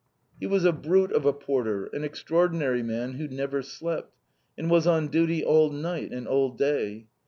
He was a brute of a porter, an extraordinary man who never slept, and was on duty all night and all day.